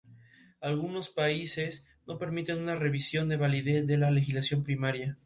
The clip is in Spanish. En ese mismo año imprimieron "El pozo", primera novela de Juan Carlos Onetti.